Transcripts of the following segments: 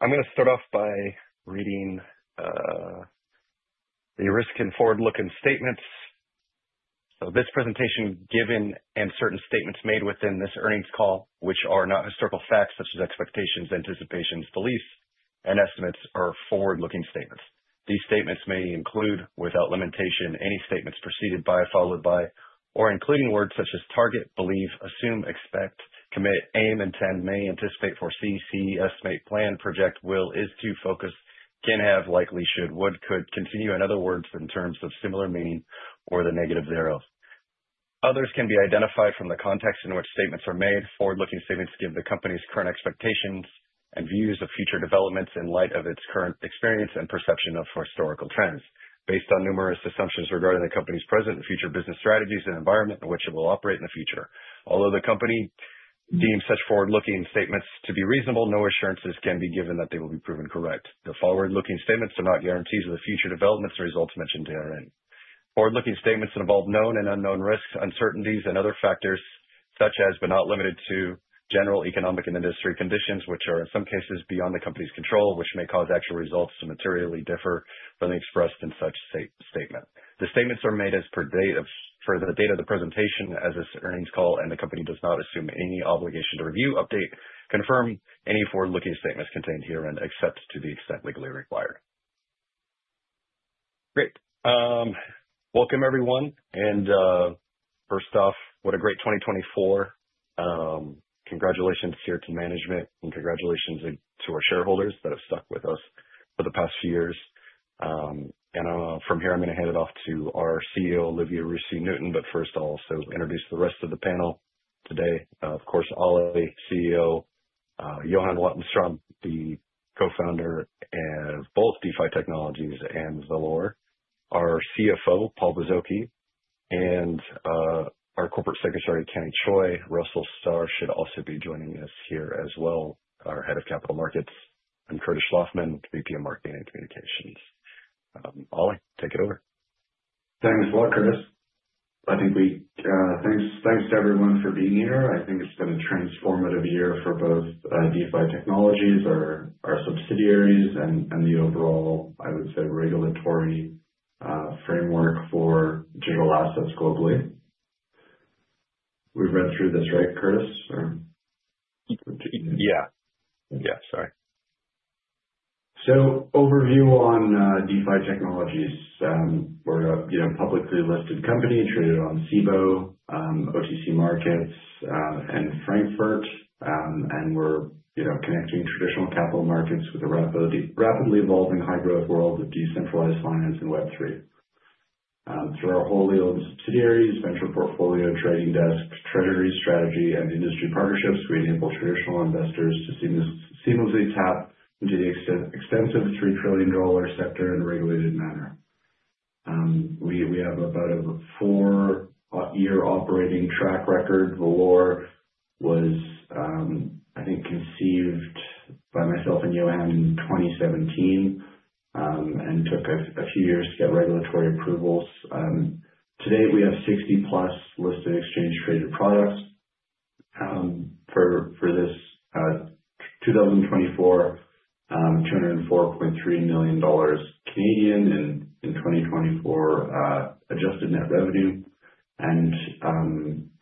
I'm going to start off by reading the risk and forward-looking statements. This presentation given and certain statements made within this earnings call, which are not historical facts such as expectations, anticipations, beliefs, and estimates, are forward-looking statements. These statements may include, without limitation, any statements preceded by, followed by, or including words such as target, believe, assume, expect, commit, aim, intend, may, anticipate, foresee, see, estimate, plan, project, will, is to, focus, can have, likely, should, would, could, continue, and other words in terms of similar meaning or the negative thereof. Others can be identified from the context in which statements are made. Forward-looking statements give the company's current expectations and views of future developments in light of its current experience and perception of historical trends, based on numerous assumptions regarding the company's present and future business strategies and environment in which it will operate in the future. Although the company deems such forward-looking statements to be reasonable, no assurances can be given that they will be proven correct. The forward-looking statements are not guarantees of the future developments and results mentioned therein. Forward-looking statements involve known and unknown risks, uncertainties, and other factors such as, but not limited to, general economic and industry conditions, which are in some cases beyond the company's control, which may cause actual results to materially differ from the expressed in such statement. The statements are made as per the date of the presentation as this earnings call, and the company does not assume any obligation to review, update, confirm any forward-looking statements contained herein except to the extent legally required. Great. Welcome, everyone. First off, what a great 2024. Congratulations here to management, and congratulations to our shareholders that have stuck with us for the past few years. From here, I'm going to hand it off to our CEO, Olivier Roussy Newton. First, I'll also introduce the rest of the panel today. Of course, Ollie, CEO, Johan Wattenstrom, the co-founder of both DeFi Technologies and Valour, our CFO, Paul Bozoki, and our Corporate Secretary, Kenny Choi. Russell Starr should also be joining us here as well, our Head of Capital Markets, and Curtis Schlaufman, VP of Marketing and Communications. Ollie, take it over. Thanks. Curtis, I think we thank everyone for being here. I think it's been a transformative year for both DeFi Technologies, our subsidiaries, and the overall, I would say, regulatory framework for digital assets globally. We've read through this, right, Curtis?. Yeah. Yeah. Sorry. Overview on DeFi Technologies. We're a publicly listed company traded on Cboe, OTC markets, and Frankfurt. We're connecting traditional capital markets with a rapidly evolving, high-growth world of decentralized finance and Web3. Through our wholly owned subsidiaries, venture portfolio, trading desk, treasury strategy, and industry partnerships, we enable traditional investors to seamlessly tap into the extensive $3 trillion sector in a regulated manner. We have about a four-year operating track record. Valour was, I think, conceived by myself and Johan in 2017 and took a few years to get regulatory approvals. Today, we have 60-plus listed exchange-traded products. For this 2024, 204.3 million Canadian dollars in 2024 adjusted net revenue.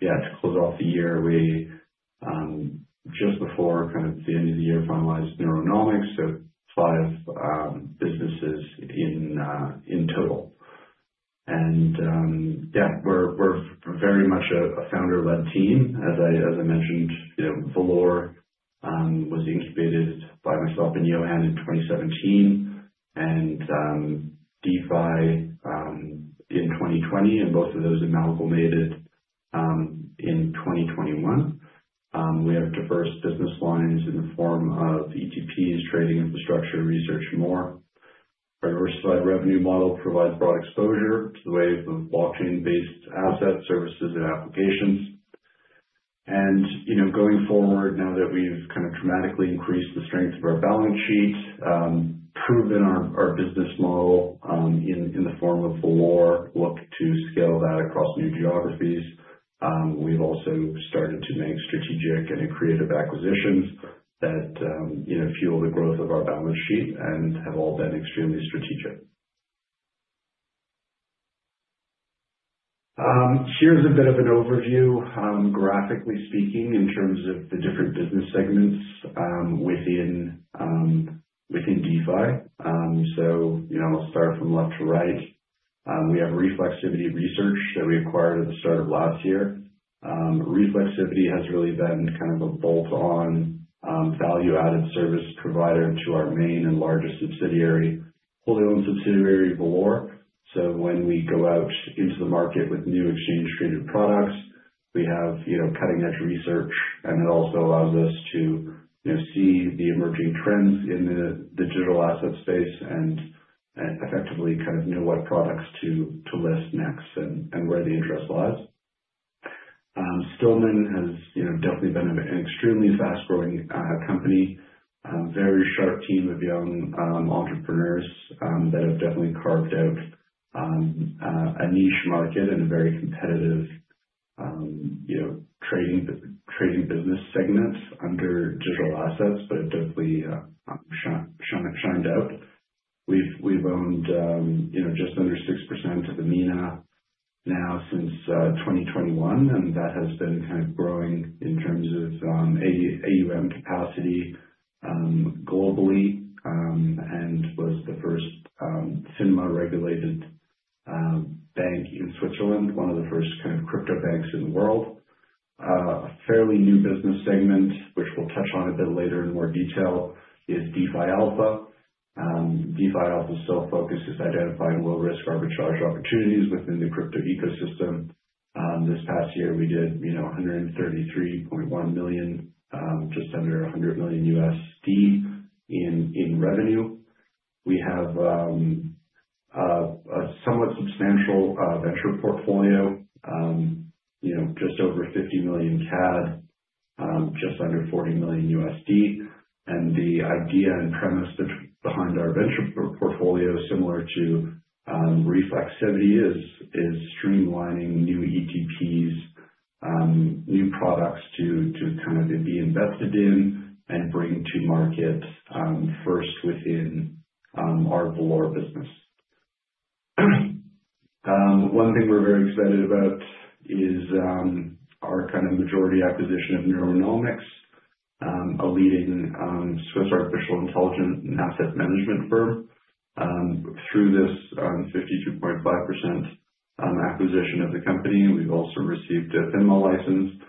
To close off the year, just before the end of the year, we finalized Neuronomics, so five businesses in total. We're very much a founder-led team. As I mentioned, Valour was incubated by myself and Johan in 2017, and DeFi in 2020, and both of those in Malcolm aided in 2021. We have diverse business lines in the form of ETPs, trading infrastructure, research, and more. Our diversified revenue model provides broad exposure to the wave of blockchain-based assets, services, and applications. Going forward, now that we've kind of dramatically increased the strength of our balance sheet, proven our business model in the form of Valour, look to scale that across new geographies. We've also started to make strategic and creative acquisitions that fuel the growth of our balance sheet and have all been extremely strategic. Here's a bit of an overview, graphically speaking, in terms of the different business segments within DeFi. I will start from left to right. We have Reflexivity Research that we acquired at the start of last year. Reflexivity has really been kind of a bolt-on value-added service provider to our main and largest subsidiary, wholly-owned subsidiary Valour. When we go out into the market with new exchange-traded products, we have cutting-edge research, and it also allows us to see the emerging trends in the digital asset space and effectively kind of know what products to list next and where the interest lies. Stillman has definitely been an extremely fast-growing company, very sharp team of young entrepreneurs that have definitely carved out a niche market and a very competitive trading business segment under digital assets, but have definitely shined out. We've owned just under 6% of Amina now since 2021, and that has been kind of growing in terms of AUM capacity globally and was the first FINMA-regulated bank in Switzerland, one of the first kind of crypto banks in the world. A fairly new business segment, which we'll touch on a bit later in more detail, is DeFi Alpha. DeFi Alpha's sole focus is identifying low-risk arbitrage opportunities within the crypto ecosystem. This past year, we did 133.1 million, just under $100 million in revenue. We have a somewhat substantial venture portfolio, just over 50 million CAD, just under $40 million. The idea and premise behind our venture portfolio, similar to Reflexivity Research, is streamlining new ETPs, new products to kind of be invested in and bring to market first within our Valour business. One thing we're very excited about is our kind of majority acquisition of Neuronomics, a leading Swiss artificial intelligence and asset management firm. Through this 52.5% acquisition of the company, we've also received a FINMA license,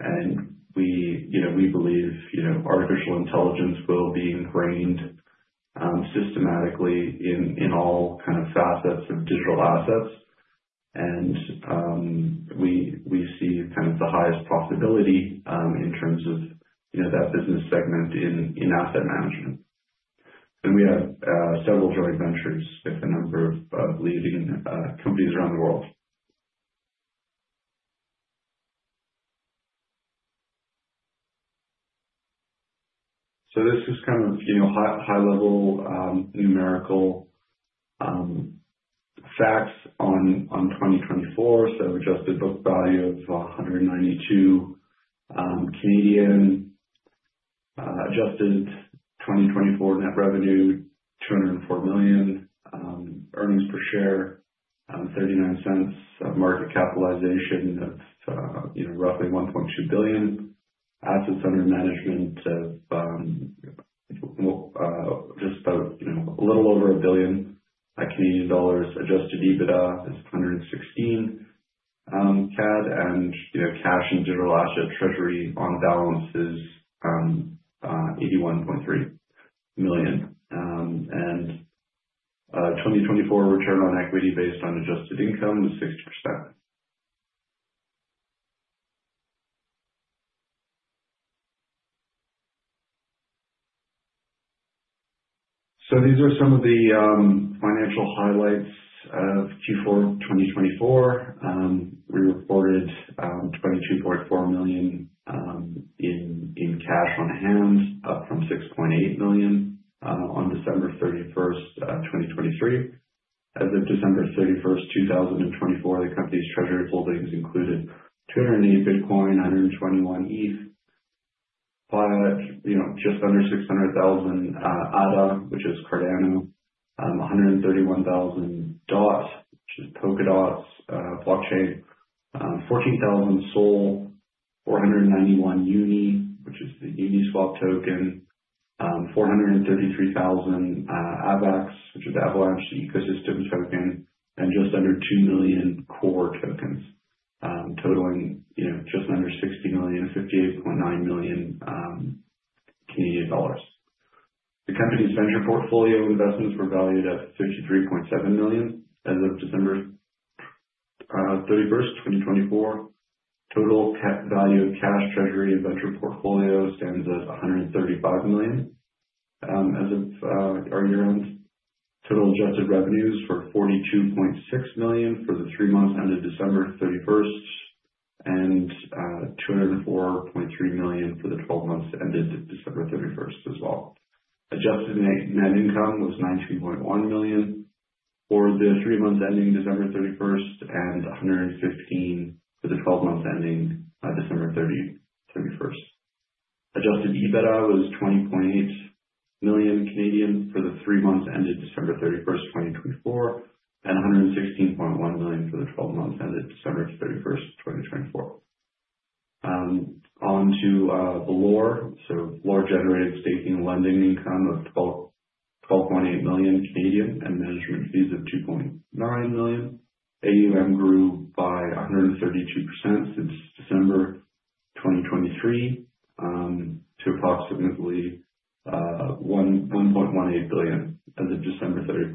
and we believe artificial intelligence will be ingrained systematically in all kind of facets of digital assets. We see kind of the highest possibility in terms of that business segment in asset management. We have several joint ventures with a number of leading companies around the world. This is kind of high-level numerical facts on 2024. Adjusted book value of 192. Adjusted 2024 net revenue, 204 million. Earnings per share, $0.39. Market capitalization of roughly 1.2 billion. Assets under management of just about a little over 1 billion Canadian dollars. Adjusted EBITDA is 116 CAD. Cash and digital asset treasury on balance is 81.3 million. 2024 return on equity based on adjusted income is 60%. These are some of the financial highlights of Q4 2024. We reported 22.4 million in cash on hand, up from 6.8 million on December 31, 2023. As of December 31st, 2024, the company's treasury holdings included 208 Bitcoin, 121 ETH, just under 600,000 ADA, which is Cardano, 131,000 DOT, which is Polkadot blockchain, 14,000 SOL, 491 UNI, which is the Uniswap token, 433,000 AVAX, which is Avalanche Ecosystem Token, and just under 2 million Core Tokens, totaling just under 60 million, 58.9 million Canadian dollars. The company's venture portfolio investments were valued at 53.7 million as of December 31st, 2024. Total value of cash, treasury, and venture portfolio stands at 135 million as of our year-end. Total adjusted revenues were 42.6 million for the three months ended December 31st and 204.3 million for the 12 months ended December 31st as well. Adjusted net income was 19.1 million for the three months ending December 31st and 115 million for the 12 months ending December 31st. Adjusted EBITDA was 20.8 million for the three months ended December 31, 2024, and 116.1 million for the 12 months ended December 31, 2024. On to Valour. Valour generated staking and lending income of 12.8 million and management fees of 2.9 million. AUM grew by 132% since December 2023 to approximately 1.18 billion as of December 31.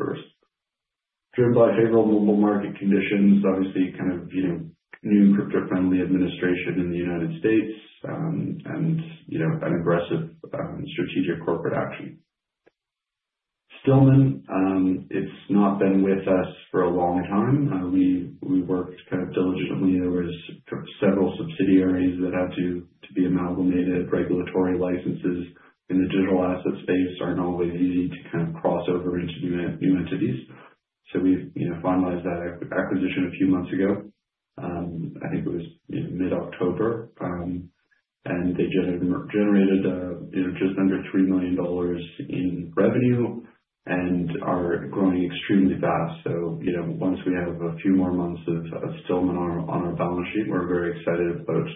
Driven by favorable mobile market conditions, obviously kind of new crypto-friendly administration in the United States and aggressive strategic corporate action. Stillman, it's not been with us for a long time. We worked kind of diligently. There were several subsidiaries that had to be amalgamated. Regulatory licenses in the digital asset space aren't always easy to kind of cross over into new entities. We finalized that acquisition a few months ago. I think it was mid-October. They generated just under $3 million in revenue and are growing extremely fast. Once we have a few more months of Stillman on our balance sheet, we're very excited about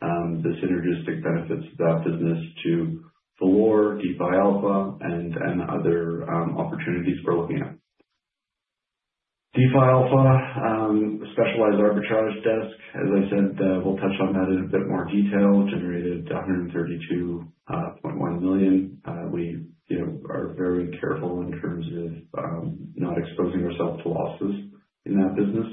the synergistic benefits of that business to Valour, DeFi Alpha, and other opportunities we're looking at. DeFi Alpha, a specialized arbitrage desk, as I said, we'll touch on that in a bit more detail, generated $132.1 million. We are very careful in terms of not exposing ourselves to losses in that business.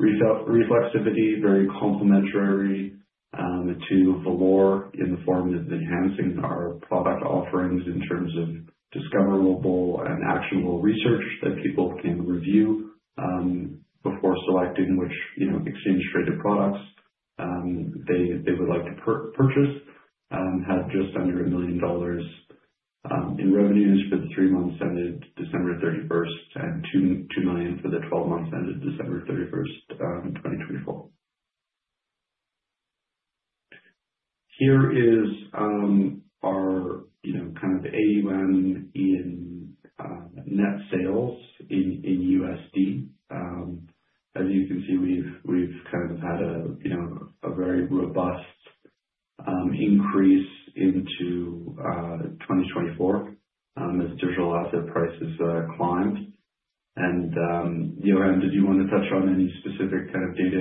Reflexivity, very complementary to Valour in the form of enhancing our product offerings in terms of discoverable and actionable research that people can review before selecting which exchange-traded products they would like to purchase, had just under $1 million in revenues for the three months ended December 31st, and $2 million for the 12 months ended December 31st, 2024. Here is our kind of AUM in net sales in USD. As you can see, we've kind of had a very robust increase into 2024 as digital asset prices climbed. Johan, did you want to touch on any specific kind of data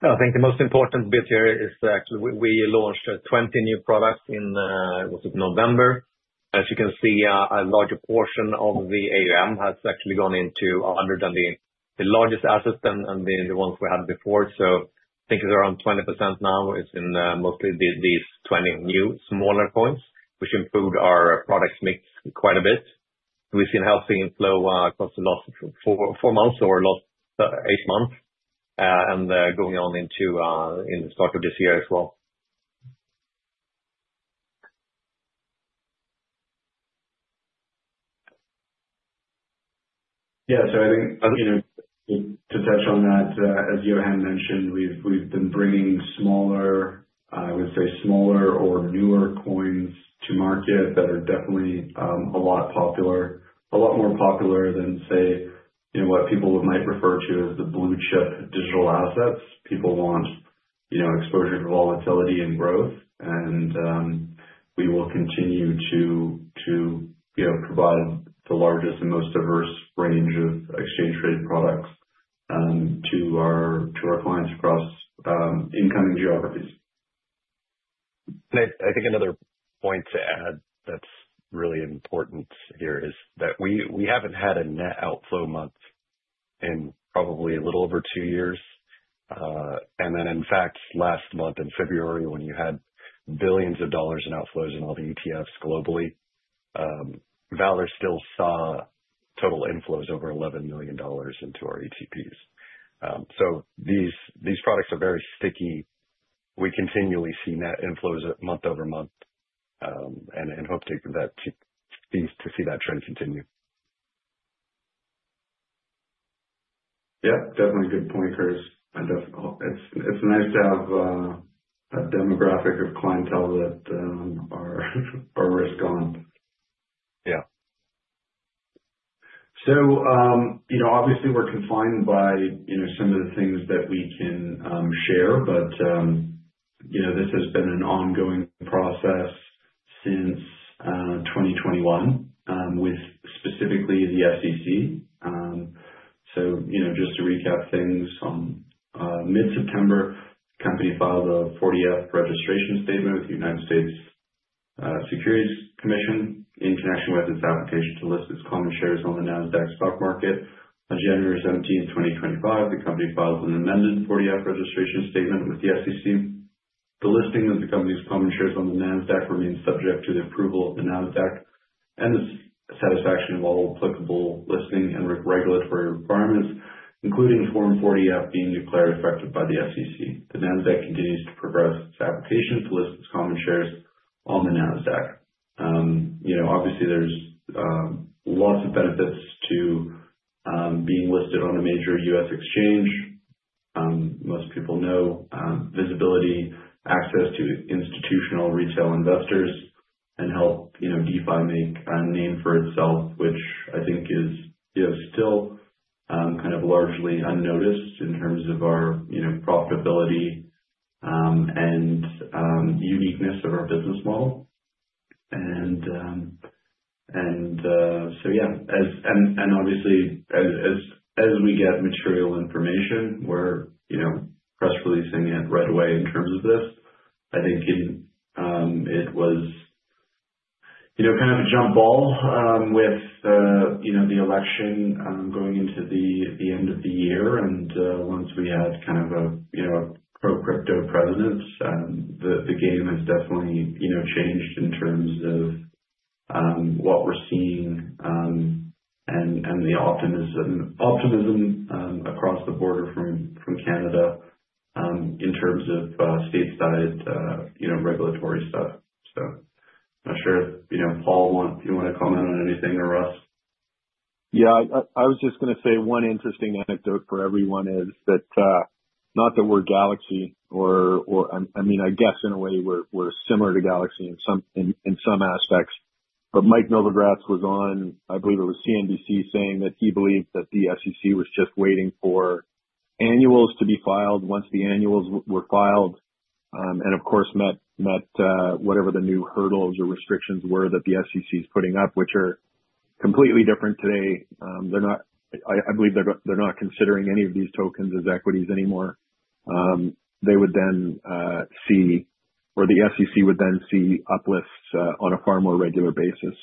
indicators pertaining to this slide? No. I think the most important bit here is actually we launched 20 new products in November. As you can see, a larger portion of the AUM has actually gone into under the largest assets and the ones we had before. I think it's around 20% now. It's in mostly these 20 new smaller coins, which improved our product mix quite a bit. We've seen healthy inflow across the last four months or last eight months and going on into the start of this year as well. Yeah. I think to touch on that, as Johan mentioned, we've been bringing smaller, I would say smaller or newer coins to market that are definitely a lot more popular than, say, what people might refer to as the blue chip digital assets. People want exposure to volatility and growth. We will continue to provide the largest and most diverse range of exchange-traded products to our clients across incoming geographies. I think another point to add that's really important here is that we haven't had a net outflow month in probably a little over two years. In fact, last month in February, when you had billions of dollars in outflows in all the ETFs globally, Valour still saw total inflows over $11 million into our ETPs. These products are very sticky. We continually see net inflows month over month and hope to see that trend continue. Yeah. Definitely a good point, Curtis. It's nice to have a demographic of clientele that are risk-on. Yeah. Obviously, we're confined by some of the things that we can share, but this has been an ongoing process since 2021 with specifically the SEC. Just to recap things, mid-September, the company filed a 40-F registration statement with the United States Securities Commission in connection with its application to list its common shares on the NASDAQ stock market. On January 17, 2025, the company filed an amended 40-F registration statement with the SEC. The listing of the company's common shares on the NASDAQ remains subject to the approval of the NASDAQ and the satisfaction of all applicable listing and regulatory requirements, including Form 40-F being declared effective by the SEC. The NASDAQ continues to progress its application to list its common shares on the NASDAQ. Obviously, there's lots of benefits to being listed on a major US exchange. Most people know visibility, access to institutional retail investors, and help DeFi make a name for itself, which I think is still kind of largely unnoticed in terms of our profitability and uniqueness of our business model. Yeah. Obviously, as we get material information, we're press releasing it right away in terms of this. I think it was kind of a jump ball with the election going into the end of the year. Once we had kind of a pro-crypto presence, the game has definitely changed in terms of what we're seeing and the optimism across the border from Canada in terms of stateside regulatory stuff. I'm not sure if Paul, you want to comment on anything or Russ? Yeah. I was just going to say one interesting anecdote for everyone is that not that we're Galaxy or, I mean, I guess in a way, we're similar to Galaxy in some aspects. Mike Novogratz was on, I believe it was CNBC, saying that he believed that the SEC was just waiting for annuals to be filed. Once the annuals were filed and, of course, met whatever the new hurdles or restrictions were that the SEC is putting up, which are completely different today, I believe they're not considering any of these tokens as equities anymore. They would then see, or the SEC would then see, uplifts on a far more regular basis.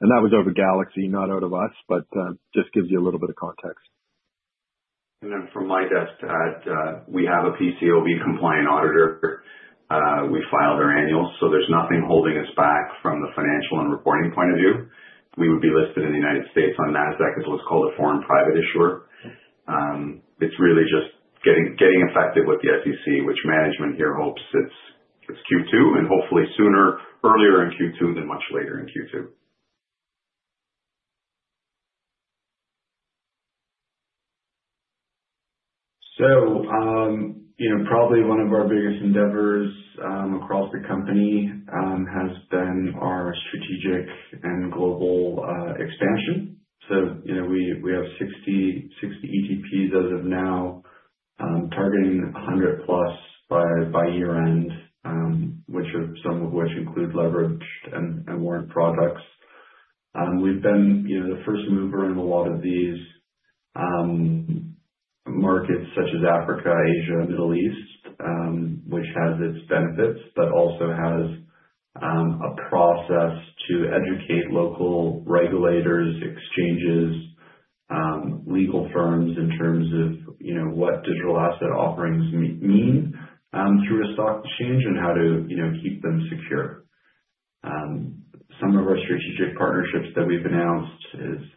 That was out of Galaxy, not out of us, but just gives you a little bit of context. From my desk to add, we have a PCAOB-compliant auditor. We filed our annuals, so there's nothing holding us back from the financial and reporting point of view. We would be listed in the United States on NASDAQ as what's called a foreign private issuer. It's really just getting effective with the SEC, which management here hopes is Q2 and hopefully sooner, earlier in Q2 than much later in Q2. Probably one of our biggest endeavors across the company has been our strategic and global expansion. We have 60 ETPs as of now, targeting 100 plus by year-end, some of which include leveraged and warrant products. We have been the first mover in a lot of these markets such as Africa, Asia, Middle East, which has its benefits, but also has a process to educate local regulators, exchanges, legal firms in terms of what digital asset offerings mean through a stock exchange and how to keep them secure. Some of our strategic partnerships that we have announced is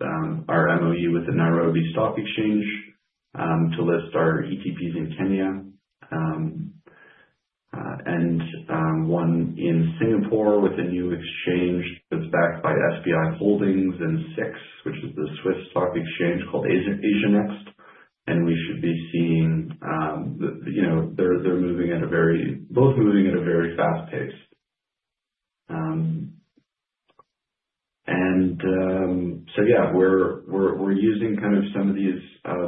our MOU with the Nairobi Stock Exchange to list our ETPs in Kenya and one in Singapore with a new exchange that is backed by SBI Holdings and SIX, which is the Swiss stock exchange called Asian Next. We should be seeing they're moving at a very, both moving at a very fast pace. Yeah, we're using kind of some of these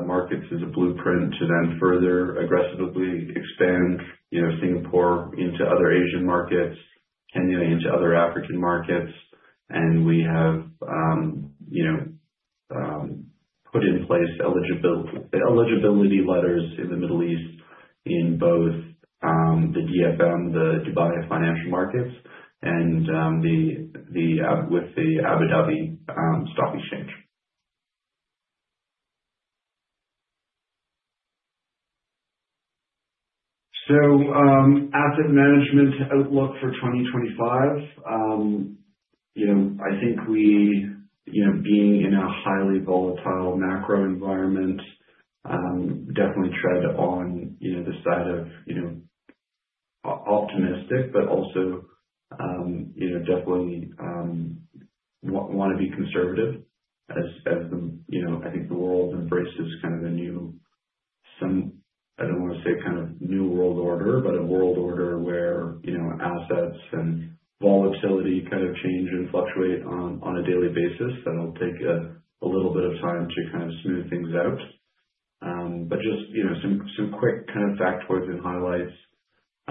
markets as a blueprint to then further aggressively expand Singapore into other Asian markets, Kenya into other African markets. We have put in place eligibility letters in the Middle East in both the DFM, the Dubai Financial Markets, and with the Abu Dhabi Stock Exchange. Asset management outlook for 2025, I think we, being in a highly volatile macro environment, definitely tread on the side of optimistic, but also definitely want to be conservative as I think the world embraces kind of a new, I don't want to say kind of new world order, but a world order where assets and volatility kind of change and fluctuate on a daily basis. That'll take a little bit of time to kind of smooth things out. Just some quick kind of factoids and highlights.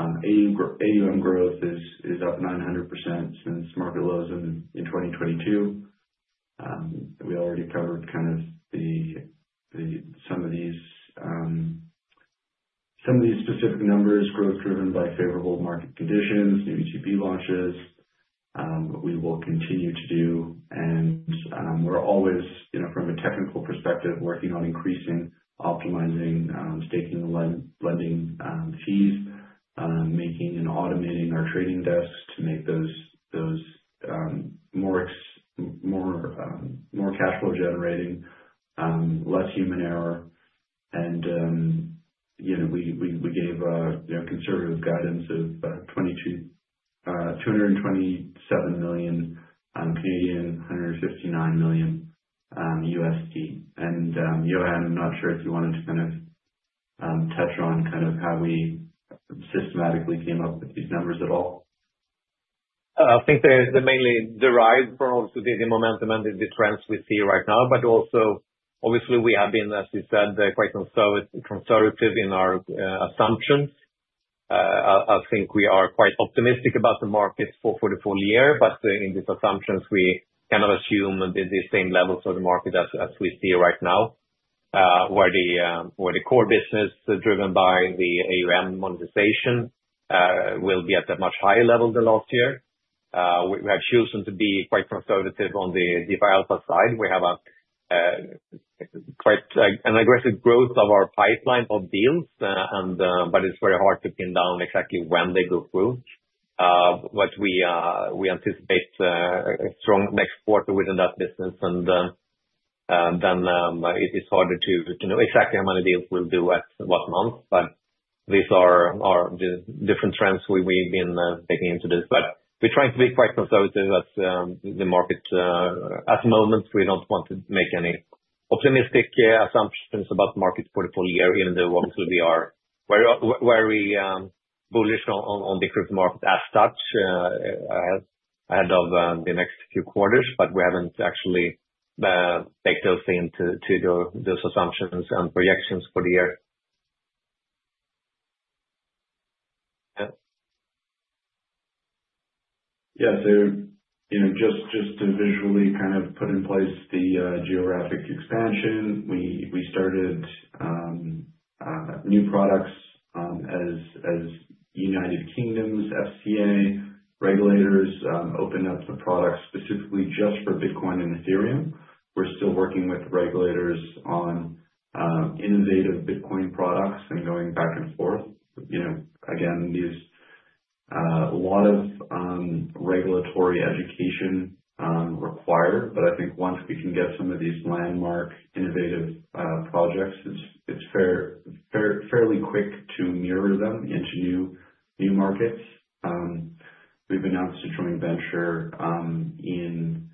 AUM growth is up 900% since market lows in 2022. We already covered kind of some of these specific numbers, growth driven by favorable market conditions, new ETP launches. We will continue to do. We're always, from a technical perspective, working on increasing, optimizing, staking the lending fees, making and automating our trading desks to make those more cash flow generating, less human error. We gave a conservative guidance of 227 million, $159 million. Johan, I'm not sure if you wanted to kind of touch on kind of how we systematically came up with these numbers at all. I think they're mainly derived from the momentum and the trends we see right now, but also, obviously, we have been, as you said, quite conservative in our assumptions. I think we are quite optimistic about the markets for the full year, but in these assumptions, we kind of assume the same levels of the market as we see right now, where the core business driven by the AUM monetization will be at a much higher level than last year. We have chosen to be quite conservative on the DeFi Alpha side. We have quite an aggressive growth of our pipeline of deals, but it's very hard to pin down exactly when they go through. We anticipate a strong next quarter within that business. It is harder to know exactly how many deals we will do at what month, but these are the different trends we have been taking into this. We are trying to be quite conservative as the market at the moment. We do not want to make any optimistic assumptions about the market for the full year, even though obviously we are very bullish on the crypto market as such ahead of the next few quarters. We have not actually taken those into those assumptions and projections for the year. Yeah. Just to visually kind of put in place the geographic expansion, we started new products as United Kingdom's FCA regulators opened up the products specifically just for Bitcoin and Ethereum. We're still working with regulators on innovative Bitcoin products and going back and forth. Again, a lot of regulatory education required, but I think once we can get some of these landmark innovative projects, it's fairly quick to mirror them into new markets. We've announced a joint venture in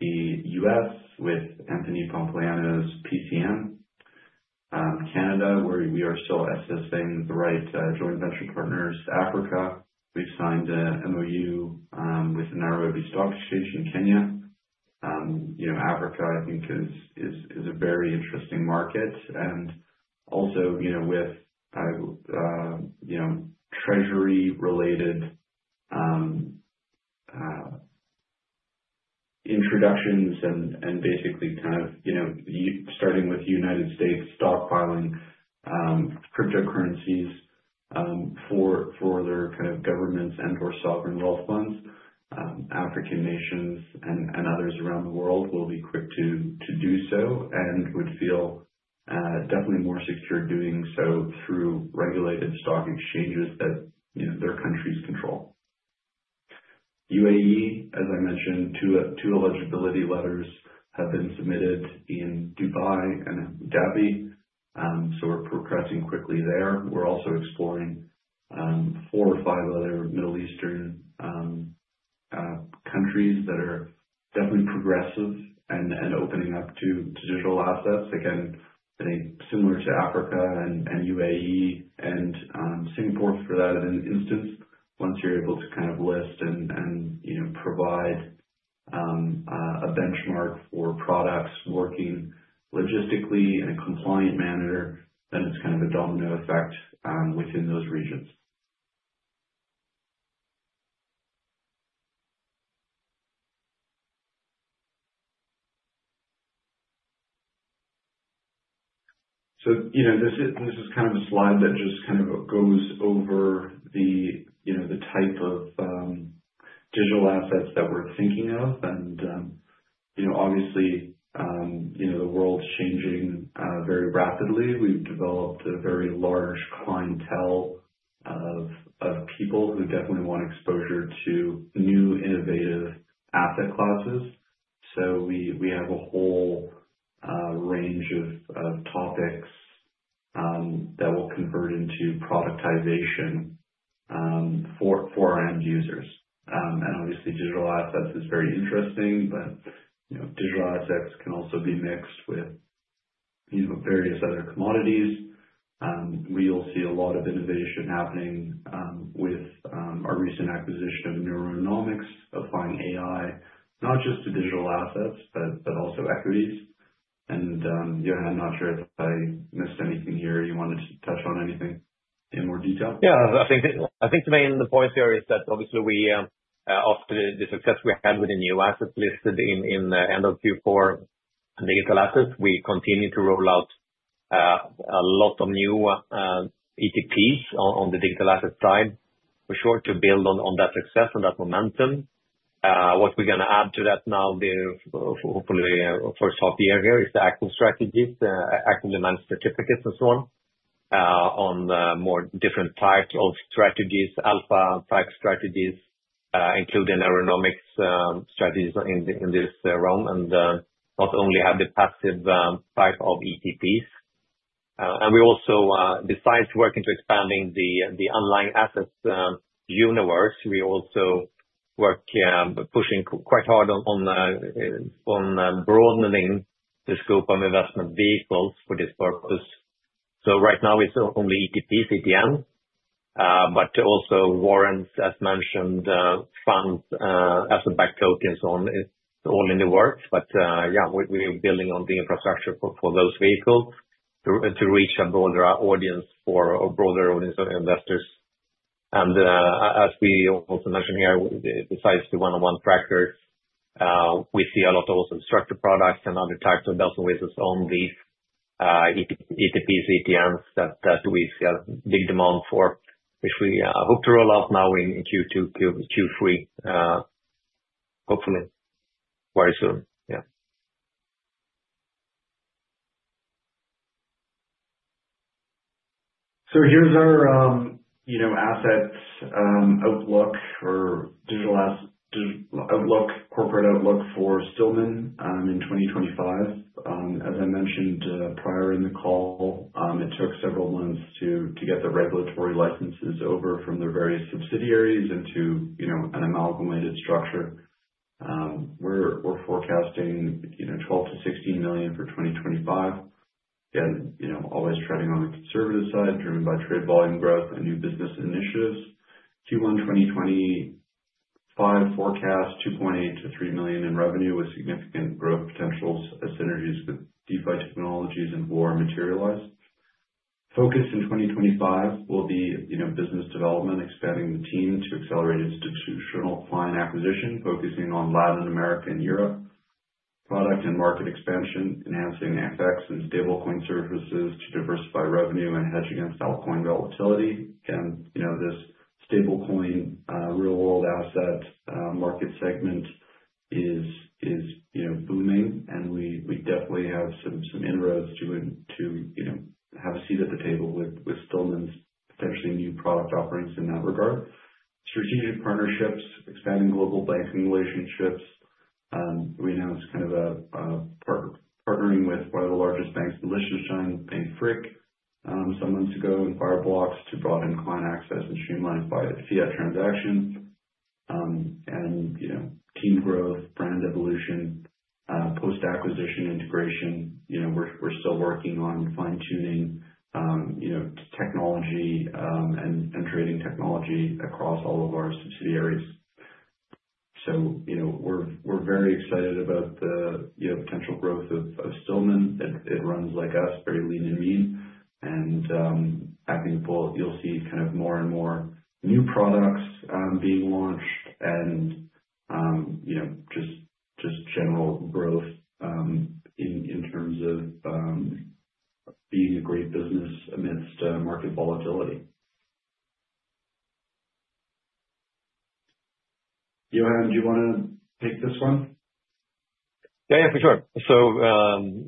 the US with Anthony Pompliano's PCM. Canada, where we are still assessing the right joint venture partners. Africa, we've signed an MOU with the Nairobi Stock Exchange in Kenya. Africa, I think, is a very interesting market. Also, with treasury-related introductions and basically kind of starting with United States stockpiling cryptocurrencies for their kind of governments and/or sovereign wealth funds, African nations and others around the world will be quick to do so and would feel definitely more secure doing so through regulated stock exchanges that their countries control. UAE, as I mentioned, two eligibility letters have been submitted in Dubai and Abu Dhabi. We are progressing quickly there. We are also exploring four or five other Middle Eastern countries that are definitely progressive and opening up to digital assets. Again, I think similar to Africa and UAE and Singapore for that instance, once you are able to kind of list and provide a benchmark for products working logistically in a compliant manner, then it is kind of a domino effect within those regions. This is kind of a slide that just kind of goes over the type of digital assets that we're thinking of. Obviously, the world's changing very rapidly. We've developed a very large clientele of people who definitely want exposure to new innovative asset classes. We have a whole range of topics that will convert into productization for our end users. Obviously, digital assets is very interesting, but digital assets can also be mixed with various other commodities. We will see a lot of innovation happening with our recent acquisition of Neuronomics, applying AI, not just to digital assets, but also equities. Johan, not sure if I missed anything here. You wanted to touch on anything in more detail? Yeah. I think the main point here is that obviously, after the success we had with the new assets listed in the end of Q4 and digital assets, we continue to roll out a lot of new ETPs on the digital asset side for sure to build on that success and that momentum. What we're going to add to that now, hopefully for the first half year here, is the active strategies, actively managed certificates, and so on on more different types of strategies, Alpha type strategies, including Neuronomics strategies in this realm, and not only have the passive type of ETPs. We also, besides working to expanding the online assets universe, work pushing quite hard on broadening the scope of investment vehicles for this purpose. Right now, it's only ETPs, ETN, but also warrants, as mentioned, funds, asset-backed tokens, and so on. It's all in the works. Yeah, we're building on the infrastructure for those vehicles to reach a broader audience, for a broader audience of investors. As we also mentioned here, besides the one-on-one trackers, we see a lot of also structured products and other types of bells and whistles on these ETPs, ETNs that we see a big demand for, which we hope to roll out now in Q2, Q3, hopefully very soon. Yeah. Here is our asset outlook or digital outlook, corporate outlook for Stillman in 2025. As I mentioned prior in the call, it took several months to get the regulatory licenses over from their various subsidiaries into an amalgamated structure. We are forecasting $12 million-$16 million for 2025. Again, always treading on the conservative side, driven by trade volume growth and new business initiatives. Q1 2025 forecast is $2.8 million-$3 million in revenue with significant growth potentials as synergies with DeFi Technologies and more materialized. Focus in 2025 will be business development, expanding the team to accelerate institutional client acquisition, focusing on Latin America and Europe. Product and market expansion, enhancing FX and stablecoin services to diversify revenue and hedge against altcoin volatility. Again, this stablecoin real-world asset market segment is booming, and we definitely have some inroads to have a seat at the table with Stillman's potentially new product offerings in that regard. Strategic partnerships, expanding global banking relationships. We announced kind of partnering with one of the largest banks, Liechtenstein, Bank Frick, some months ago, and Fireblocks to broaden client access and streamline fiat transactions. Team growth, brand evolution, post-acquisition integration. We're still working on fine-tuning technology and trading technology across all of our subsidiaries. We are very excited about the potential growth of Stillman. It runs like us, very lean and mean. Back in the fall, you'll see kind of more and more new products being launched and just general growth in terms of being a great business amidst market volatility. Johan, do you want to take this one? Yeah, yeah, for sure.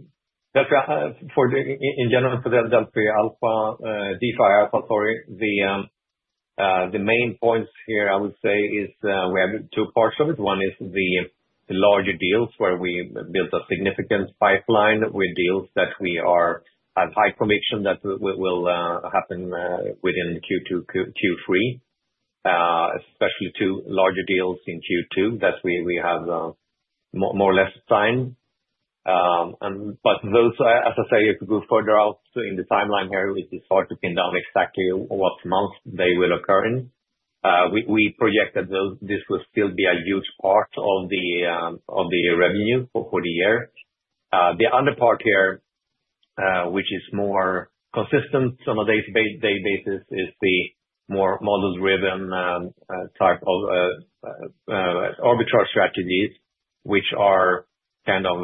In general, for the Alpha, DeFi Alpha, sorry, the main points here, I would say, is we have two parts of it. One is the larger deals where we built a significant pipeline with deals that we have high conviction that will happen within Q2, Q3, especially two larger deals in Q2 that we have more or less signed. Those, as I say, if we go further out in the timeline here, it is hard to pin down exactly what month they will occur in. We projected this will still be a huge part of the revenue for the year. The other part here, which is more consistent on a daily basis, is the more models-driven type of arbitrage strategies, which are kind of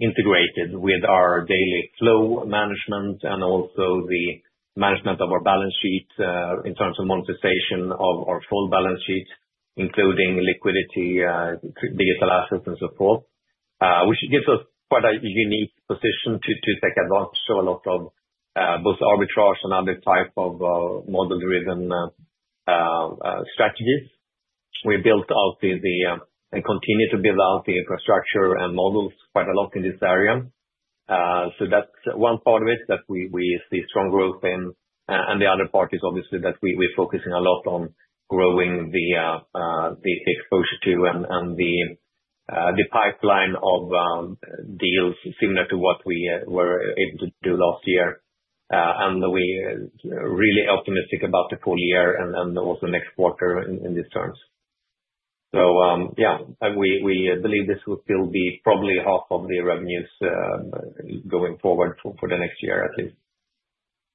integrated with our daily flow management and also the management of our balance sheet in terms of monetization of our full balance sheet, including liquidity, digital assets, and so forth, which gives us quite a unique position to take advantage of a lot of both arbitrage and other types of model-driven strategies. We built out and continue to build out the infrastructure and models quite a lot in this area. That is one part of it that we see strong growth in. The other part is obviously that we're focusing a lot on growing the exposure to and the pipeline of deals similar to what we were able to do last year. We are really optimistic about the full year and also next quarter in these terms. Yeah, we believe this will still be probably half of the revenues going forward for the next year at least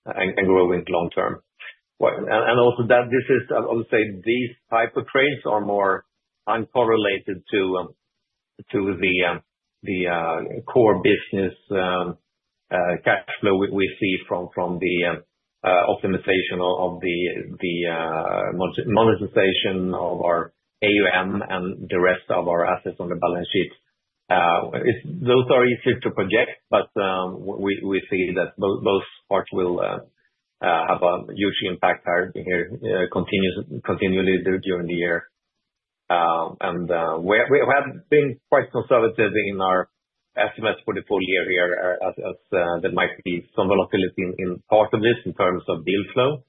and growing long term. Also, I would say these type of trades are more uncorrelated to the core business cash flow we see from the optimization of the monetization of our AUM and the rest of our assets on the balance sheet. Those are easier to project, but we see that both parts will have a huge impact here continually during the year. We have been quite conservative in our estimates for the full year here as there might be some volatility in part of this in terms of deal flow.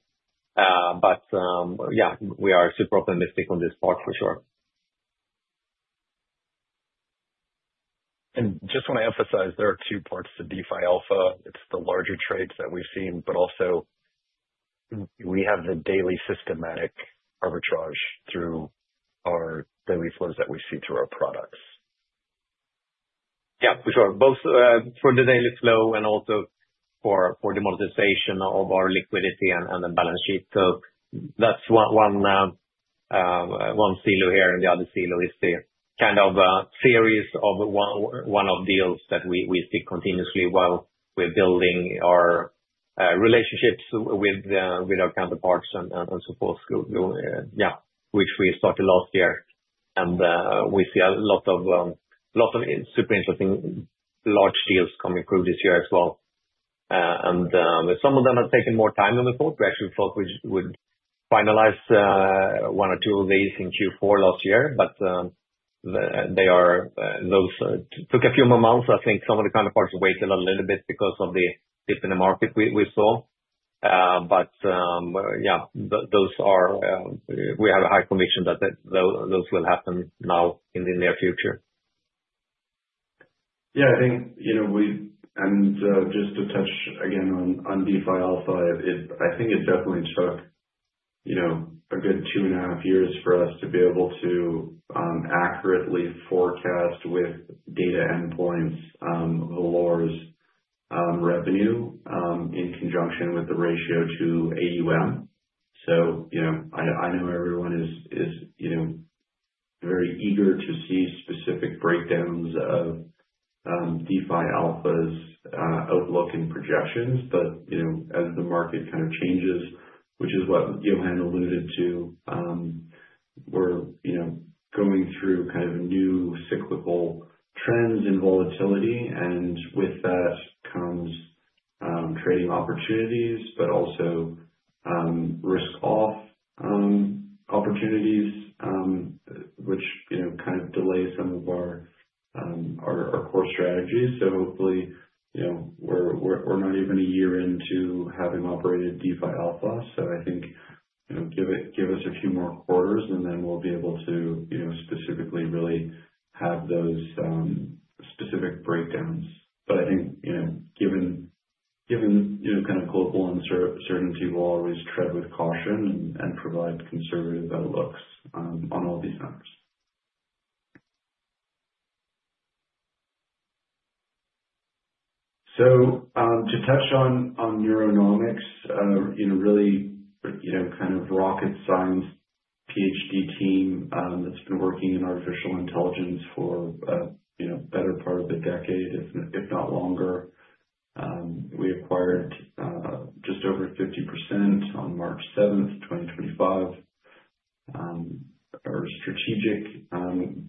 Yeah, we are super optimistic on this part for sure. I just want to emphasize there are two parts to DeFi Alpha. It is the larger trades that we have seen, but also we have the daily systematic arbitrage through our daily flows that we see through our products. Yeah, for sure. Both for the daily flow and also for the monetization of our liquidity and the balance sheet. That is one silo here. The other silo is the kind of series of one of the deals that we see continuously while we're building our relationships with our counterparts and support school, yeah, which we started last year. We see a lot of super interesting large deals coming through this year as well. Some of them have taken more time than we thought. We actually thought we would finalize one or two of these in Q4 last year, but they took a few more months. I think some of the counterparts waited a little bit because of the dip in the market we saw. Yeah, we have a high conviction that those will happen now in the near future. Yeah, I think we, and just to touch again on DeFi Alpha, I think it definitely took a good two and a half years for us to be able to accurately forecast with data endpoints the lowers revenue in conjunction with the ratio to AUM. I know everyone is very eager to see specific breakdowns of DeFi Alpha's outlook and projections. As the market kind of changes, which is what Johan alluded to, we're going through kind of new cyclical trends in volatility. With that comes trading opportunities, but also risk-off opportunities, which kind of delay some of our core strategies. Hopefully, we're not even a year into having operated DeFi Alpha. I think give us a few more quarters, and then we'll be able to specifically really have those specific breakdowns. I think given kind of global uncertainty, we'll always tread with caution and provide conservative outlooks on all these numbers. To touch on Neuronomics, really kind of rocket science PhD team that's been working in artificial intelligence for a better part of a decade, if not longer. We acquired just over 50% on March 7, 2025. Our strategic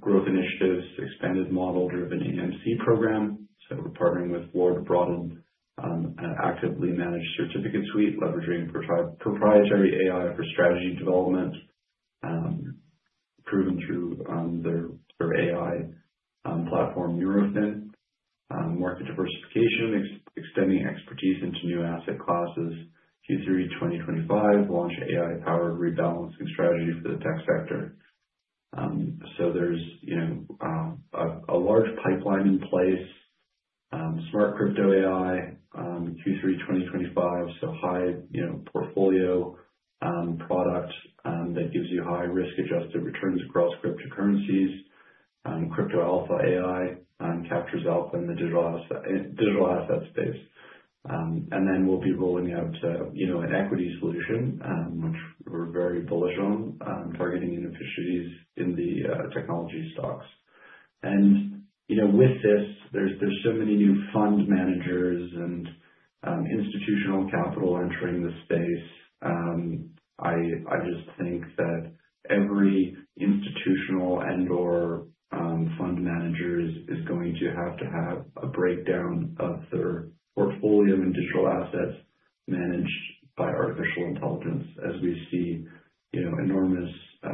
growth initiatives, expanded model-driven AMC program. We're partnering with Lord Broughton, an actively managed certificate suite, leveraging proprietary AI for strategy development, proven through their AI platform, NeuroFin. Market diversification, extending expertise into new asset classes. Q3 2025, launch AI-powered rebalancing strategy for the tech sector. There's a large pipeline in place. Smart crypto AI, Q3 2025, high portfolio product that gives you high risk-adjusted returns across cryptocurrencies. Crypto Alpha AI captures Alpha in the digital asset space. We'll be rolling out an equity solution, which we're very bullish on, targeting inefficiencies in the technology stocks. With this, there's so many new fund managers and institutional capital entering the space. I just think that every institutional and/or fund manager is going to have to have a breakdown of their portfolio and digital assets managed by artificial intelligence as we see enormous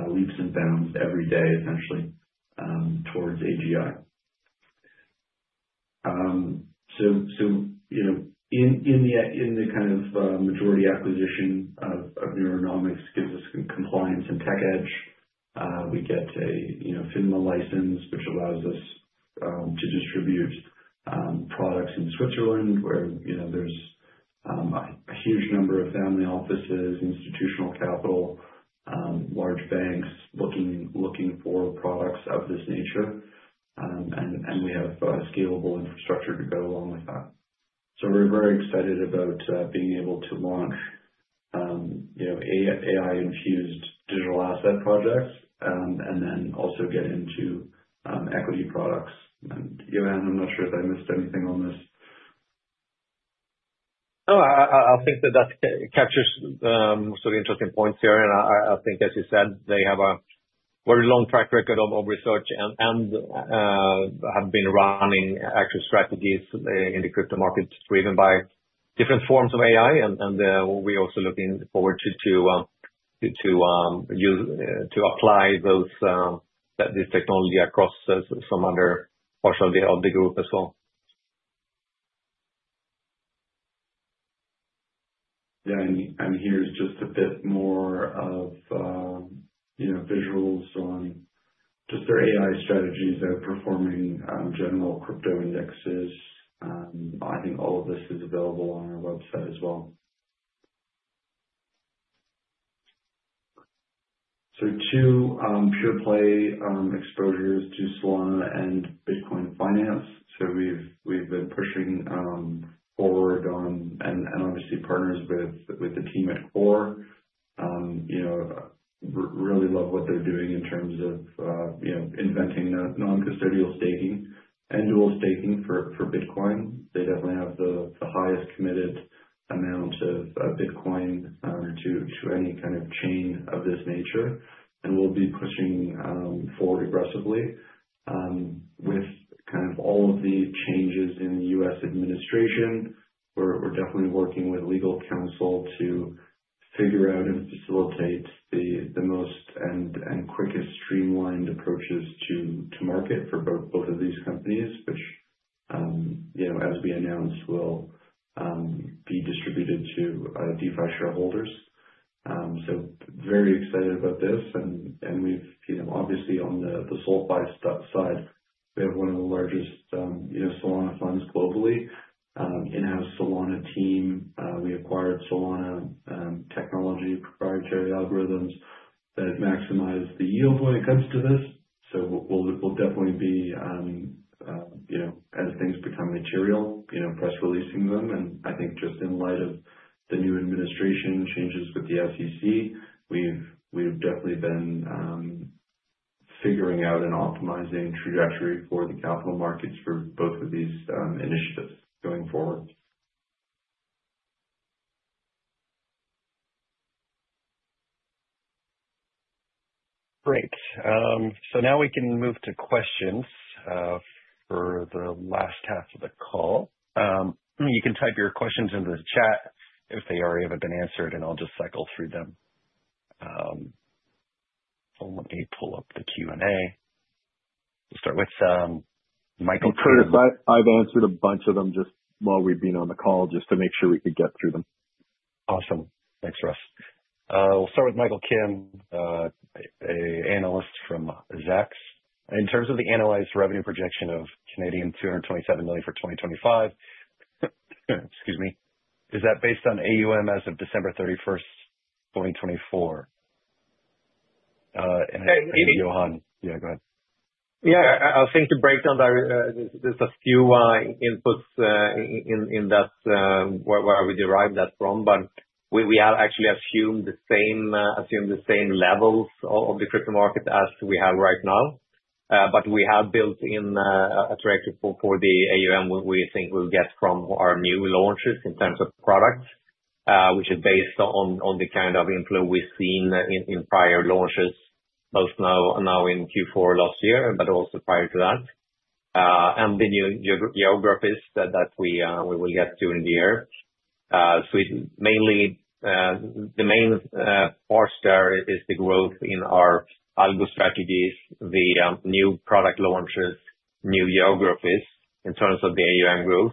leaps and bounds every day, essentially, towards AGI. In the kind of majority acquisition of Neuronomics, it gives us compliance and tech edge. We get a FINMA license, which allows us to distribute products in Switzerland, where there's a huge number of family offices, institutional capital, large banks looking for products of this nature. We have scalable infrastructure to go along with that. We're very excited about being able to launch AI-infused digital asset projects and then also get into equity products. Johan, I'm not sure if I missed anything on this. No, I think that that captures some interesting points here. I think, as you said, they have a very long track record of research and have been running active strategies in the crypto markets driven by different forms of AI. We are also looking forward to applying this technology across some other parts of the group as well. Yeah, and here's just a bit more of visuals on just their AI strategies that are performing general crypto indexes. I think all of this is available on our website as well. Two pure play exposures to Solana and Bitcoin finance. We've been pushing forward on and obviously partners with the team at Core. Really love what they're doing in terms of inventing non-custodial staking and dual staking for Bitcoin. They definitely have the highest committed amount of Bitcoin to any kind of chain of this nature. We'll be pushing forward aggressively. With kind of all of the changes in the U.S. administration, we're definitely working with legal counsel to figure out and facilitate the most and quickest streamlined approaches to market for both of these companies, which, as we announced, will be distributed to DeFi shareholders. Very excited about this. Obviously, on the SolFi side, we have one of the largest Solana funds globally, in-house Solana team. We acquired Solana technology proprietary algorithms that maximize the yield when it comes to this. We will definitely be, as things become material, press releasing them. I think just in light of the new administration changes with the SEC, we have definitely been figuring out and optimizing trajectory for the capital markets for both of these initiatives going forward. Great. Now we can move to questions for the last half of the call. You can type your questions into the chat if they already have been answered, and I'll just cycle through them. Let me pull up the Q&A. We'll start with Michael Kim. I've answered a bunch of them just while we've been on the call just to make sure we could get through them. Awesome. Thanks, Russ. We'll start with Michael Kim, an analyst from Zacks. In terms of the analyzed revenue projection of 227 million for 2025, excuse me, is that based on AUM as of December 31, 2024? And Johan, yeah, go ahead. Yeah, I think the breakdown, there's a few inputs in that where we derived that from, but we have actually assumed the same levels of the crypto market as we have right now. We have built in a trajectory for the AUM we think we'll get from our new launches in terms of products, which is based on the kind of inflow we've seen in prior launches, both now in Q4 last year, but also prior to that, and the new geographies that we will get during the year. Mainly, the main parts there is the growth in our algo strategies, the new product launches, new geographies in terms of the AUM growth.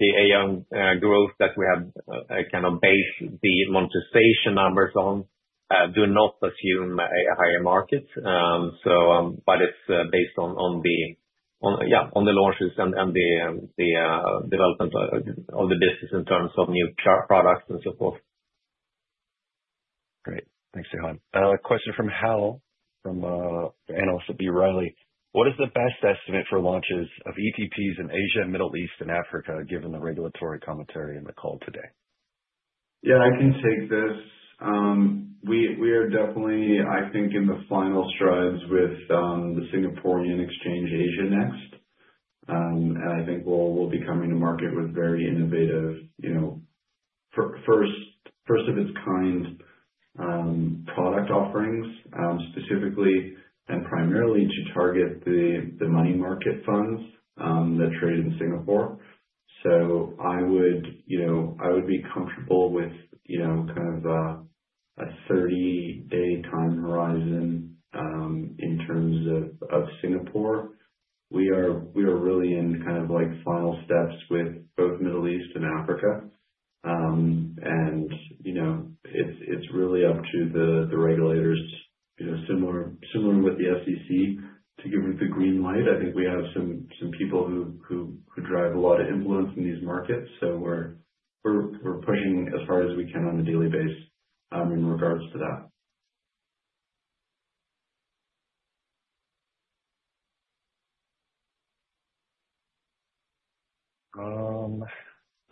The AUM growth that we have kind of based the monetization numbers on do not assume a higher market, but it's based on the launches and the development of the business in terms of new products and so forth. Great. Thanks, Johan. Question from Hal, analyst at B. Riley. What is the best estimate for launches of ETPs in Asia, Middle East, and Africa given the regulatory commentary in the call today? Yeah, I can take this. We are definitely, I think, in the final strides with the Singaporean exchange Asian Next. I think we'll be coming to market with very innovative, first-of-its-kind product offerings, specifically and primarily to target the money market funds that trade in Singapore. I would be comfortable with kind of a 30-day time horizon in terms of Singapore. We are really in kind of final steps with both Middle East and Africa. It is really up to the regulators, similar with the SEC, to give them the green light. I think we have some people who drive a lot of influence in these markets. We are pushing as far as we can on a daily base in regards to that.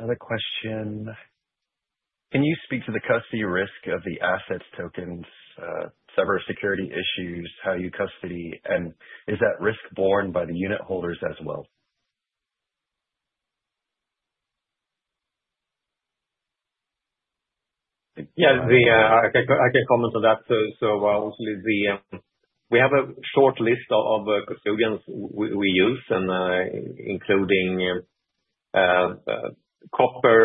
Another question. Can you speak to the custody risk of the assets tokens, several security issues, how you custody, and is that risk borne by the unit holders as well?. Yeah, I can comment on that. Obviously, we have a short list of custodians we use, including Copper,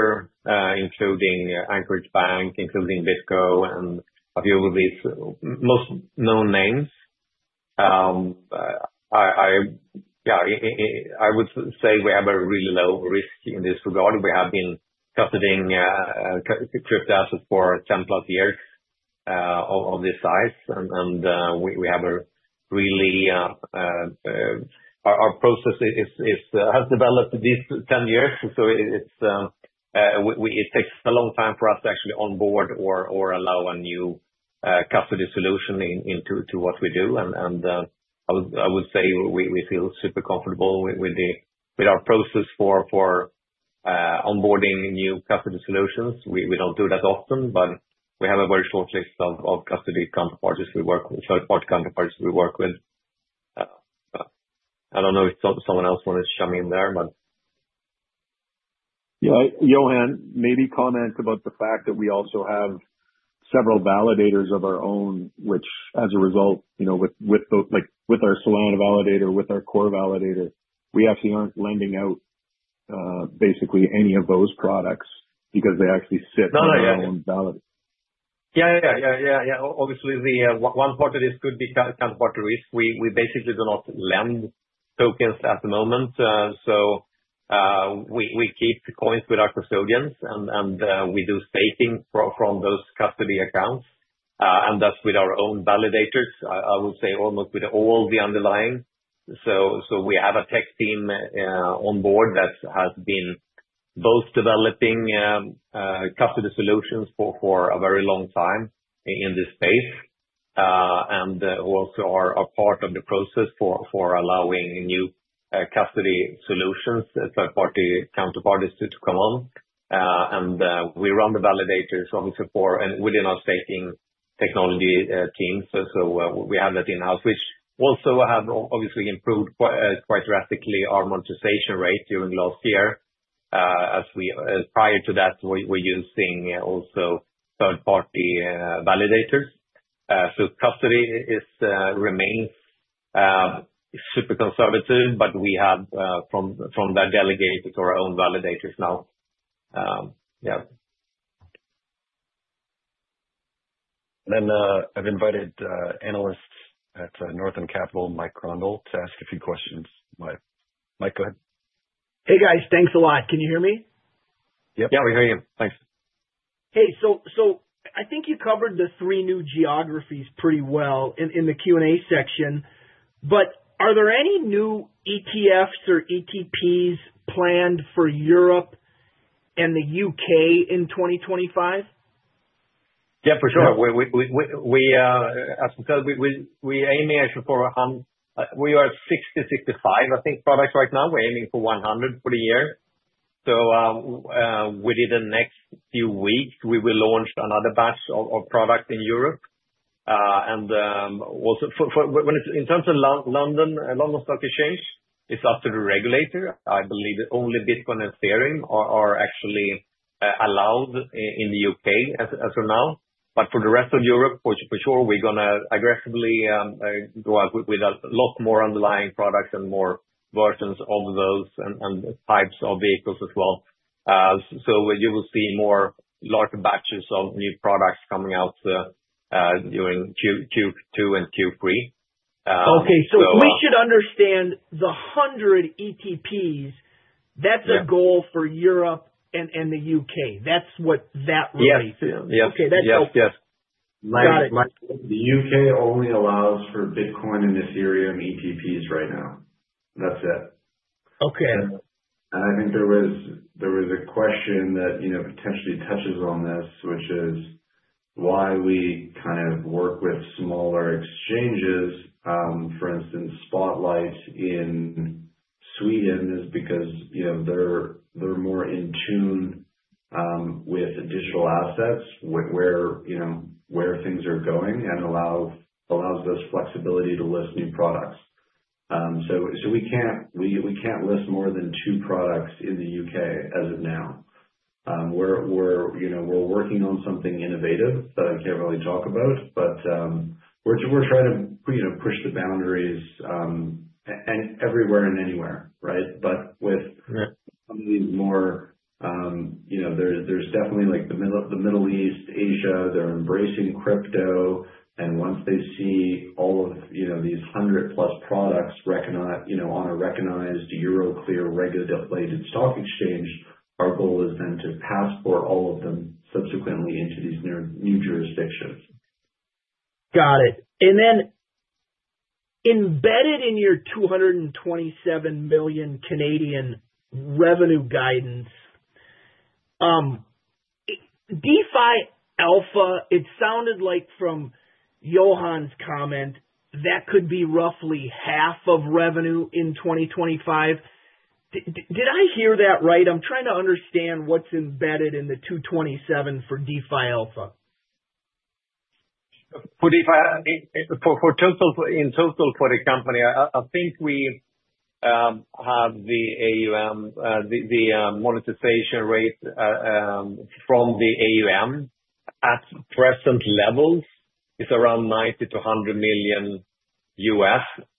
including Anchorage Bank, including BitGo, and a few of these most known names. I would say we have a really low risk in this regard. We have been custodying crypto assets for 10 plus years of this size. We have a really, our process has developed these 10 years. It takes a long time for us to actually onboard or allow a new custody solution into what we do. I would say we feel super comfortable with our process for onboarding new custody solutions. We do not do that often, but we have a very short list of custody counterparties we work with, third-party counterparties we work with. I do not know if someone else wanted to chime in there, but. Yeah, Johan, maybe comment about the fact that we also have several validators of our own, which as a result, with our Solana validator, with our Core validator, we actually are not lending out basically any of those products because they actually sit in our own validator. Yeah, yeah, yeah, yeah. Obviously, one part of this could be counterparty risk. We basically do not lend tokens at the moment. We keep coins with our custodians, and we do staking from those custody accounts. That is with our own validators, I would say almost with all the underlying. We have a tech team on board that has been both developing custody solutions for a very long time in this space and also are part of the process for allowing new custody solutions, third-party counterparties to come on. We run the validators obviously within our staking technology team. We have that in-house, which also have obviously improved quite drastically our monetization rate during last year. Prior to that, we were using also third-party validators. Custody remains super conservative, but we have from that delegated to our own validators now. Yeah. I have invited analysts at Northland Capital, Mike Grondahl, to ask a few questions. Mike, go ahead. Hey, guys, thanks a lot. Can you hear me? Yep. Yeah, we hear you. Thanks. Hey, I think you covered the three new geographies pretty well in the Q&A section, but are there any new ETFs or ETPs planned for Europe and the U.K. in 2025? Yeah, for sure. As I said, we're aiming for, we are 60-65, I think, products right now. We're aiming for 100 for the year. Within the next few weeks, we will launch another batch of products in Europe. Also, in terms of London Stock Exchange, it's up to the regulator. I believe only Bitcoin and Ethereum are actually allowed in the U.K. as of now. For the rest of Europe, for sure, we're going to aggressively go out with a lot more underlying products and more versions of those and types of vehicles as well. You will see more large batches of new products coming out during Q2 and Q3. so we should understand the 100 ETPs. That's a goal for Europe and the U.K. That's what that really is. Yes, yes. The U.K. only allows for Bitcoin and Ethereum ETPs right now. That's it. Ok. I think there was a question that potentially touches on this, which is why we kind of work with smaller exchanges. For instance, Spotlight in Sweden is because they're more in tune with digital assets, where things are going, and allows us flexibility to list new products. We can't list more than two products in the U.K. as of now. We're working on something innovative that I can't really talk about, but we're trying to push the boundaries everywhere and anywhere, right? With some of these more, there's definitely the Middle East, Asia, they're embracing crypto. Once they see all of these 100 plus products on a recognized Euroclear regulated stock exchange, our goal is then to passport all of them subsequently into these new jurisdictions. Got it. Then embedded in your 227 million revenue guidance, DeFi Alpha, it sounded like from Johan's comment, that could be roughly half of revenue in 2025. Did I hear that right? I'm trying to understand what's embedded in the 227 million for DeFi Alpha. For in total for the company, I think we have the monetization rate from the AUM at present levels is around $90 million-$100 million,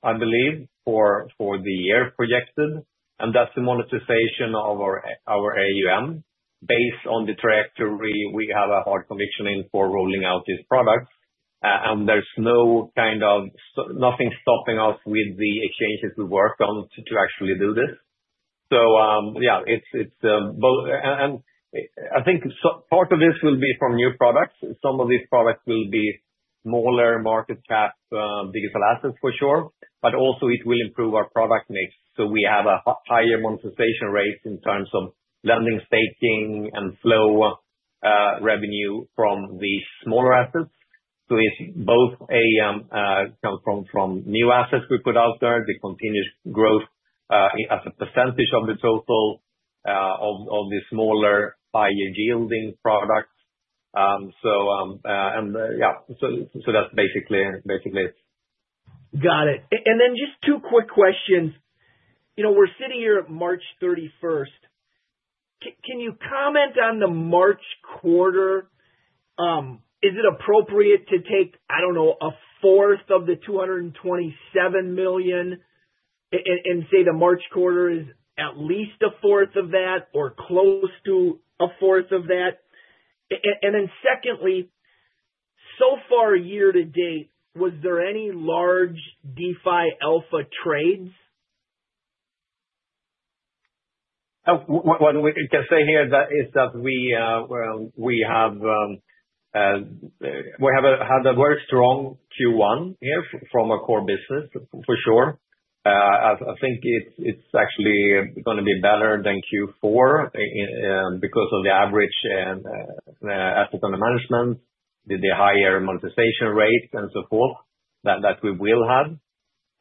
I believe, for the year projected. And that's the monetization of our AUM based on the trajectory we have a hard conviction in for rolling out these products. There's no kind of nothing stopping us with the exchanges we work on to actually do this. Yeah, it's both. I think part of this will be from new products. Some of these products will be smaller market cap digital assets for sure, but also it will improve our product mix. We have a higher monetization rate in terms of lending, staking, and flow revenue from these smaller assets. It is both come from new assets we put out there, the continued growth as a percentage of the total of the smaller higher yielding products. Yeah, that is basically it. Got it. And then just two quick questions. We're sitting here at March 31. Can you comment on the March quarter? Is it appropriate to take, I don't know, a fourth of the $227 million and say the March quarter is at least a fourth of that or close to a fourth of that? And then secondly, so far year to date, was there any large DeFi Alpha trades? What we can say here is that we have had a very strong Q1 here from our core business, for sure. I think it's actually going to be better than Q4 because of the average asset under management, the higher monetization rate, and so forth that we will have.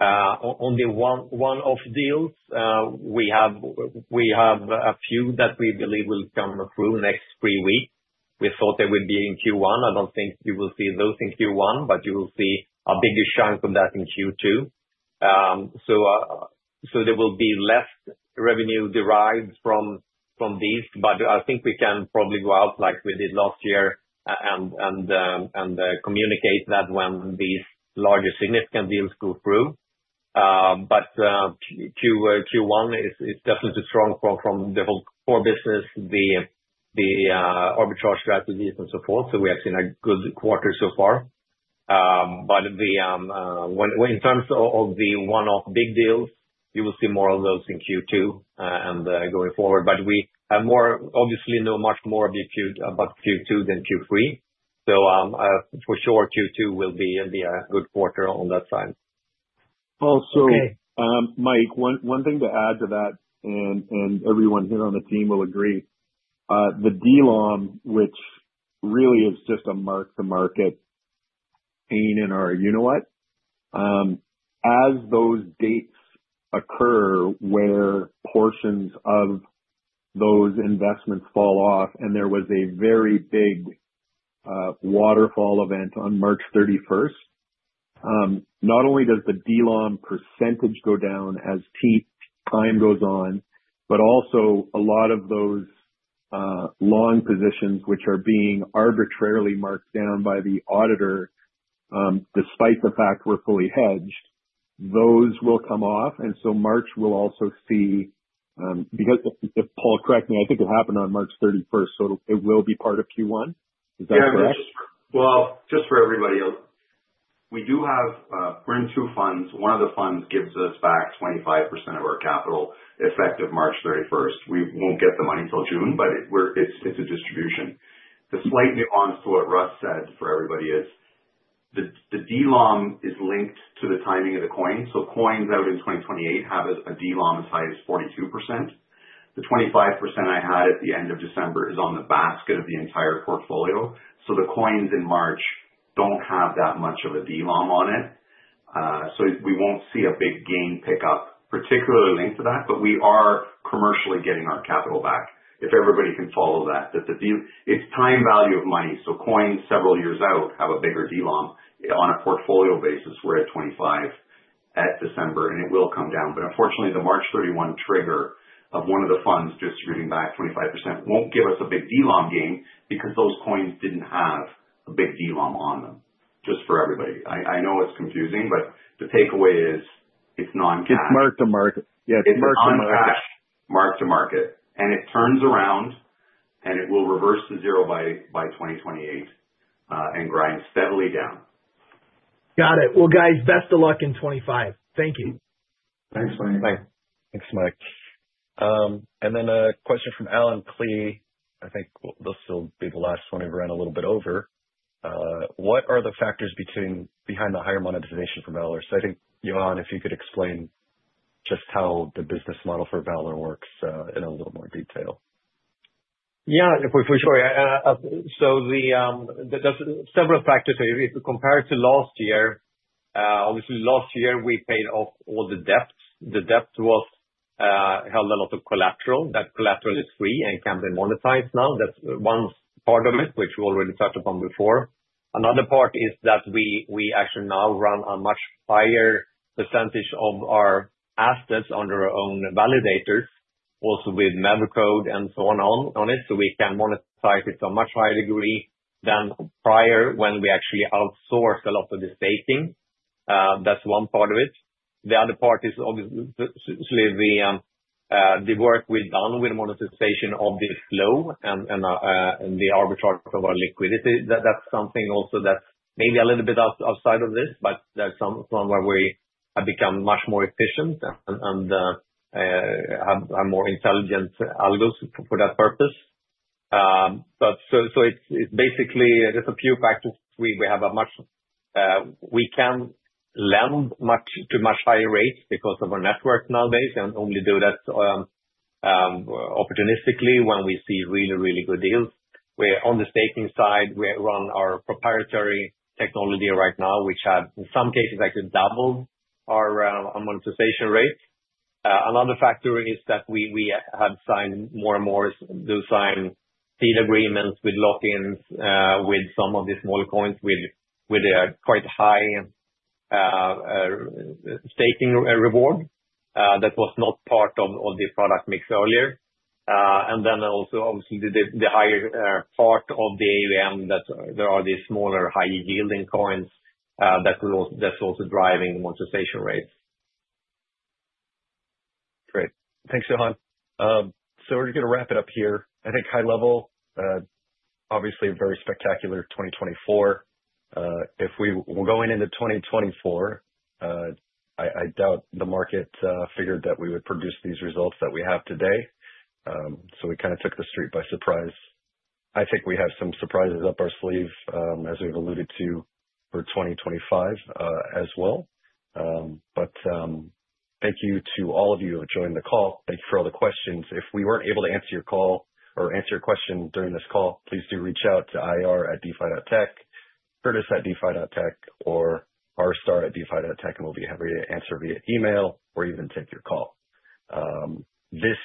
Only one-off deals. We have a few that we believe will come through next three weeks. We thought they would be in Q1. I don't think you will see those in Q1, but you will see a bigger chunk of that in Q2. There will be less revenue derived from these, but I think we can probably go out like we did last year and communicate that when these larger significant deals go through. Q1 is definitely strong from the whole core business, the arbitrage strategies, and so forth. We have seen a good quarter so far. In terms of the one-off big deals, you will see more of those in Q2 and going forward. We obviously know much more about Q2 than Q3. For sure, Q2 will be a good quarter on that side. Also, Mike, one thing to add to that, and everyone here on the team will agree. The DLOM, which really is just a mark-to-market pain in our uniwet, as those dates occur where portions of those investments fall off, and there was a very big waterfall event on March 31, not only does the DLOM percentage go down as time goes on, but also a lot of those long positions, which are being arbitrarily marked down by the auditor despite the fact we're fully hedged, those will come off. March will also see, if Paul correct me, I think it happened on March 31, so it will be part of Q1. Is that correct? Just for everybody, we do have we're in two funds. One of the funds gives us back 25% of our capital effective March 31, but we won't get the money till June. It's a distribution. The slight nuance to what Russ said for everybody is the DLOM is linked to the timing of the coin. Coins out in 2028 have a DLOM as high as 42%. The 25% I had at the end of December is on the basket of the entire portfolio. The coins in March do not have that much of a DLOM on it. We will not see a big gain pickup, particularly linked to that, but we are commercially getting our capital back if everybody can follow that. It's time value of money. Coins several years out have a bigger DLOM. On a portfolio basis, we're at 25 at December, and it will come down. Unfortunately, the March 31 trigger of one of the funds distributing back 25% will not give us a big DLOM gain because those coins did not have a big DLOM on them. Just for everybody, I know it is confusing, but the takeaway is it is non-cash. It's mark-to-market. Yeah, it's mark-to-market. It's mark-to-market. It turns around, and it will reverse to zero by 2028 and grind steadily down. Got it. Guys, best of luck in 2025. Thank you. Thanks, Mike. Thanks, Mike. A question from Alan Klee. I think this will be the last one, we've run a little bit over. What are the factors behind the higher monetization for Valour? I think, Johan, if you could explain just how the business model for Valour works in a little more detail. Yeah, for sure. There are several factors. If you compare it to last year, obviously, last year, we paid off all the debts. The debt held a lot of collateral. That collateral is free and can be monetized now. That is one part of it, which we already touched upon before. Another part is that we actually now run a much higher percentage of our assets under our own validators, also with MEV code and so on on it. We can monetize it to a much higher degree than prior when we actually outsourced a lot of the staking. That is one part of it. The other part is obviously the work we have done with monetization of this flow and the arbitrage of our liquidity. That's something also that's maybe a little bit outside of this, but that's one where we have become much more efficient and have more intelligent algos for that purpose. It's basically there's a few factors. We have a much we can lend to much higher rates because of our network nowadays and only do that opportunistically when we see really, really good deals. On the staking side, we run our proprietary technology right now, which had in some cases actually doubled our monetization rate. Another factor is that we have signed more and more seed agreements with lock-ins with some of these smaller coins with a quite high staking reward that was not part of the product mix earlier. Also, obviously, the higher part of the AUM, there are these smaller high-yielding coins that's also driving the monetization rate. Great. Thanks, Johan. We're going to wrap it up here. I think high level, obviously very spectacular 2024. If we're going into 2024, I doubt the market figured that we would produce these results that we have today. We kind of took the street by surprise. I think we have some surprises up our sleeve, as we've alluded to, for 2025 as well. Thank you to all of you who have joined the call. Thank you for all the questions. If we were not able to answer your call or answer your question during this call, please do reach out to ir@defi.tech, curtis@defi.tech, or rstar@defi.tech, and we will be happy to answer via email or even take your call. This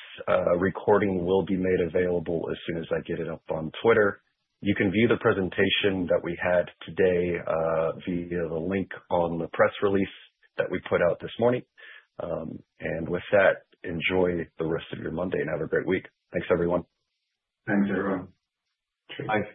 recording will be made available as soon as I get it up on Twitter. You can view the presentation that we had today via the link on the press release that we put out this morning. With that, enjoy the rest of your Monday and have a great week. Thanks, everyone. Thanks, everyone. Thanks.